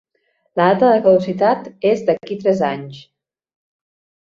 La data de caducitat és d"aquí tres anys.